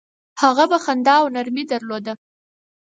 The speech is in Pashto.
هغه به خندا او نرمي درلوده.